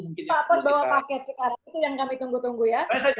pak pos bawa paket sekarang itu yang kami tunggu tunggu ya